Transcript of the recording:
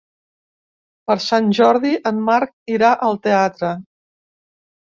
Per Sant Jordi en Marc irà al teatre.